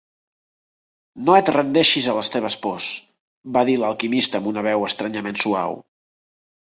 "No et rendeixis a les teves pors", va dir l'alquimista amb una veu estranyament suau.